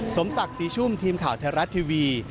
สมศักดิ์ศรีชุ่มทีมข่าวไทยรัฐทีวี